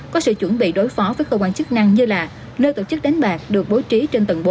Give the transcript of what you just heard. có sự chuẩn bị đối phó với cơ quan chức năng như là nơi tổ chức đánh bạc được bố trí trên tầng bốn